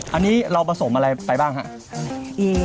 อันนี้เราผสมอะไรไปบ้างครับ